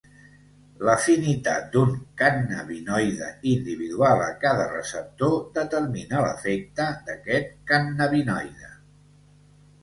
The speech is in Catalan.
L'afinitat d'un cannabinoide individual a cada receptor determina l'efecte d'aquest cannabinoide.